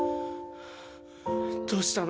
どうしたの？